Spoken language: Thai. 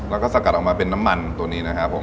แล้วก็สกัดออกมาเป็นน้ำมันตัวนี้นะครับผม